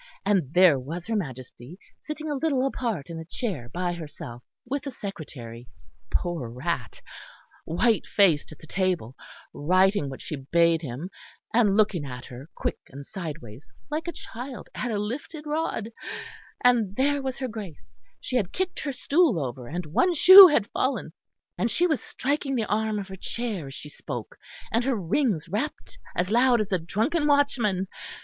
And there was her Majesty, sitting a little apart in a chair by herself, with the Secretary poor rat white faced at the table, writing what she bade him, and looking at her, quick and side ways, like a child at a lifted rod; and there was her Grace: she had kicked her stool over, and one shoe had fallen; and she was striking the arm of her chair as she spoke, and her rings rapped as loud as a drunken watchman.